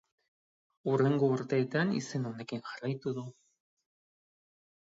Hurrengo urteetan izen honekin jarraitu du.